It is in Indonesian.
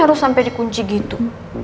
harus sampe dikunci gitu